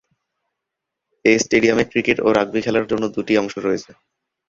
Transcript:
এ স্টেডিয়ামে ক্রিকেট ও রাগবি খেলার জন্য দু’টি অংশ রয়েছে।